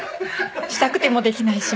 したくてもできないし。